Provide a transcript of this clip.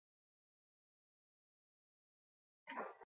Beste ehun abesti inguru omen daude hainbat disko gogorretan bilduta.